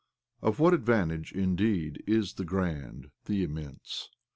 Of what advantage, indeed, is the grand, the immense?